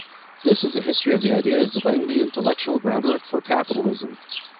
This is a history of the ideas laying the intellectual groundwork for capitalism.